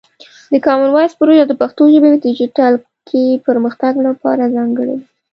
د کامن وایس پروژه د پښتو ژبې په ډیجیټل کې پرمختګ لپاره ځانګړې ده.